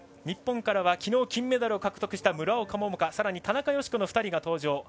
日本からは昨日、金メダルを獲得した村岡桃佳さらに田中佳子の２人が登場。